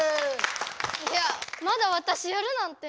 いやまだわたしやるなんて。